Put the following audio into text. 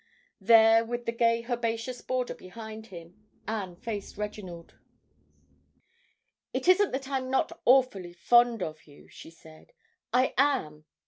There, with the gay herbaceous border behind her, Anne faced Reginald. "It isn't that I'm not awfully fond of you," she said. "I am.